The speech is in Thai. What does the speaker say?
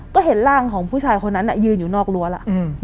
ก็เห็นร่างของผู้ชายคนนั้นยืนอยู่นอกรั้วแล้ว